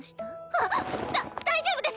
あっだ大丈夫です！